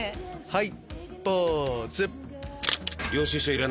はい。